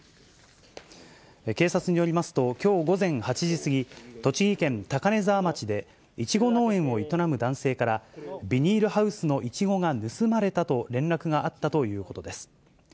警察によりますと、きょう午前８時過ぎ、栃木県高根沢町で、イチゴ農園を営む男性から、ビニールハウスのイチゴが盗まれたと連絡があったということです。